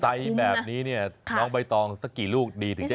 ใจแบบนี้เนี่ยน้องใบตองสักกี่ลูกดีถึงจะ